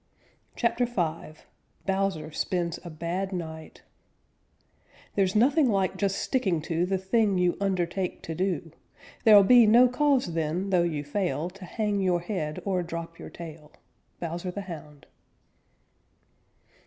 CHAPTER V BOWSER SPENDS A BAD NIGHT There's nothing like just sticking to The thing you undertake to do. There'll be no cause then, though you fail, To hang your head or drop your tail. _Bowser the Hound.